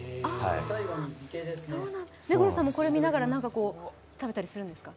目黒さんもこれを見ながら何か食べたりするんですか？